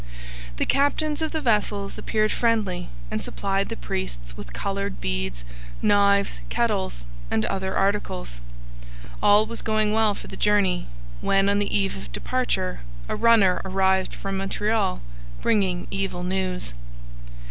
The captains of the vessels appeared friendly and supplied the priests with coloured beads, knives, kettles, and other articles. All was going well for the journey, when, on the eve of departure, a runner arrived from Montreal bringing evil news.